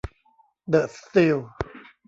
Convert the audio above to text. เดอะ สตีล